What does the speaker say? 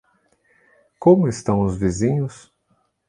Como estão os vizinhos?